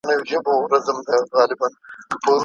پرې ویده تېرېږي بله پېړۍ ورو ورو